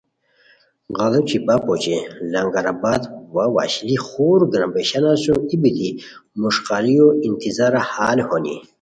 غیڑوچی بپ اوچے لنگر آباد و ا وشلی خور گرامبیشانان سُم ای بیتی مݰقاریو انتظارہ ہال ہونی